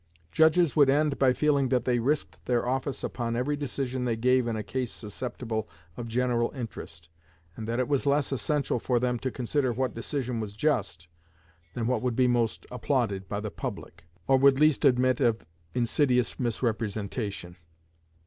Judges would end by feeling that they risked their office upon every decision they gave in a case susceptible of general interest, and that it was less essential for them to consider what decision was just, than what would be most applauded by the public, or would least admit of insidious misrepresentation.